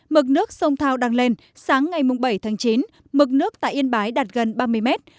mực nước sông thao đang lên sáng ngày bảy tháng chín mực nước tại yên bái đạt gần ba mươi mét